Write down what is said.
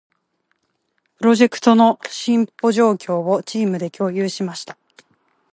プロジェクトの進捗状況を、チームで共有しました。